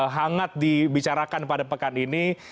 hangat dibicarakan pada pekan ini